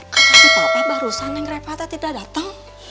kata si papa barusan yang ngerepate tidak dateng